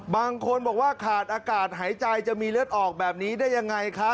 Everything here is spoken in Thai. บางคนบอกว่าขาดอากาศหายใจจะมีเลือดออกแบบนี้ได้ยังไงคะ